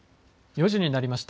４時になりました。